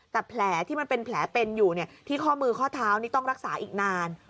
แต่แผลที่มันเป็นแผลเป็นอยู่ที่ข้อมือข้อเท้านี่ต้องรักษาอีกนาน